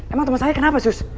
emang teman saya kenapa sus